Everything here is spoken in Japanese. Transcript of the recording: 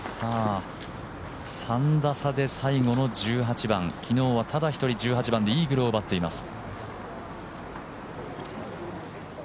３打差で最後の１８番、昨日はただ一人１８番でイーグルを奪っています。